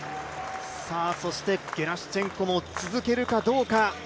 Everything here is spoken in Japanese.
そしてゲラシュチェンコも続けるかどうか。